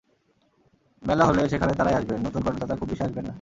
মেলা হলে সেখানে তাঁরাই আসবেন, নতুন করদাতা খুব বেশি আসবেন না।